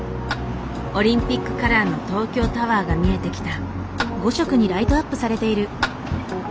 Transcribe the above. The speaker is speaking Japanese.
オリンピックカラーの東京タワーが見えてきた。